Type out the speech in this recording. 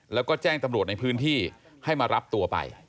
แล้วก็แจ้งตำรวจในพื้นที่ให้มารับตัวไป